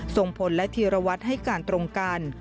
ส่งผลและธีรวัตรให้การตรงกัน